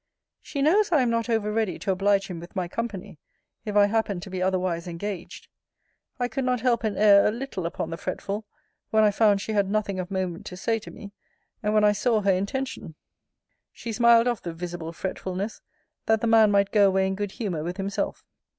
She knows I am not over ready to oblige him with my company, if I happen to be otherwise engaged. I could not help an air a little upon the fretful, when I found she had nothing of moment to say to me, and when I saw her intention. She smiled off the visible fretfulness, that the man might go away in good humour with himself.